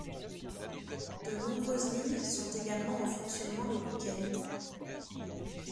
De nombreuses lignes sont également en fonctionnement le week-end.